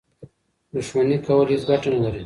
دښمني کول هېڅ ګټه نه لري.